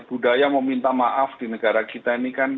budaya meminta maaf di negara kita ini kan